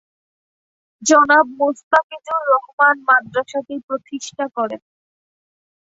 জনাব মোস্তাফিজুর রহমান মাদ্রাসাটি প্রতিষ্ঠা করেন।